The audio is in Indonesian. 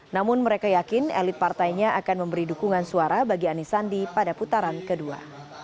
namun mereka yakin elit partainya akan memberi dukungan suara bagi anies sandi pada putaran kedua